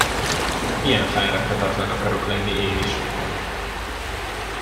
Ilyen fáradhatatlan akarok lenni én is.